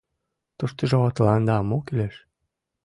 — Туштыжо тыланда мо кӱлеш?